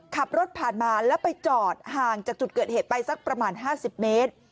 ขับรถผ่านมาแล้วไปจอดห่างจากจุดเกิดเหตุไปสักประมาณ๕๐เมตร